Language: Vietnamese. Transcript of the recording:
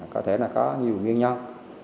có thể là có nhiều nguyên nhân